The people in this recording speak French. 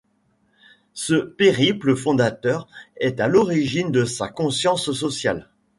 Ce périple fondateur est à l'origine de sa conscience sociale.